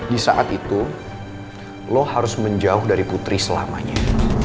disaat itu lo harus menjauh dari putri selamanya